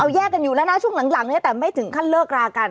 แยกกันอยู่แล้วนะช่วงหลังเนี่ยแต่ไม่ถึงขั้นเลิกรากัน